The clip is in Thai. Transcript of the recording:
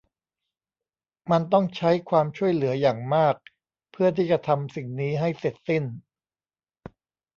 มันต้องใช้ความช่วยเหลืออย่างมากเพื่อที่จะทำสิ่งนี้ให้เสร็จสิ้น